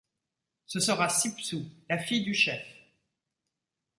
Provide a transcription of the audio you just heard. Ce sera Sipsu, la fille du chef.